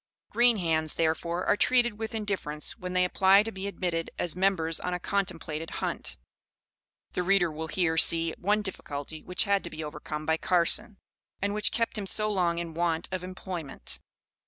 Green hands, therefore, are treated with indifference when they apply to be admitted as members on a contemplated hunt. The reader will here see one difficulty which had to be overcome by Carson, and which kept him so long in want of employment.